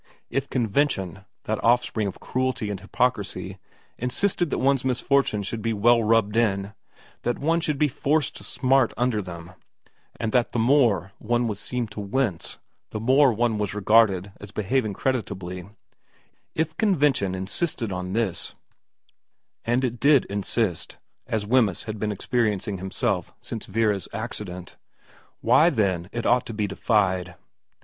If convention, that offspring of cruelty and hypocrisy, insisted that one's misfortunes should be well rubbed in, that one should be forced to smart under them, and that the more one was seen to wince the more one was regarded as behaving creditably, if convention insisted on this, and it did insist, as Wemyss had been experiencing himself since Vera's accident, why then it ought to be defied.